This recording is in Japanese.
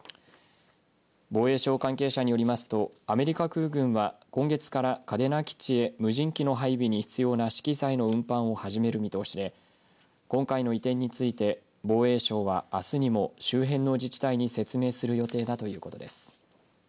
防衛省関係者によりますとアメリカ空軍は今月から嘉手納基地へ無人機の配備に必要な資機材の配備を始める見通しで今回の移転について防衛省は、あすにも周辺の自治体に説明する予定だということです。